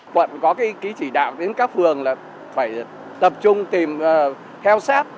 quận có cái chỉ đạo đến các phường là phải tập trung tìm theo sát